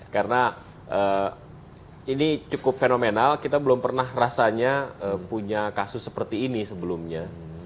karena ini cukup fenomenal kita belum pernah rasanya punya kasus seperti ini sebelumnya